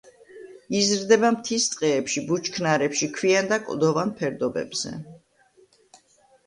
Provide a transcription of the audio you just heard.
იზრდება მთის ტყეებში, ბუჩქნარებში, ქვიან და კლდოვან ფერდობებზე.